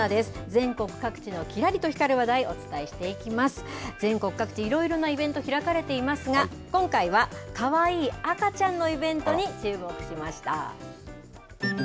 全国各地、いろいろなイベント開かれていますが、今回はかわいい赤ちゃんのイベントに注目しました。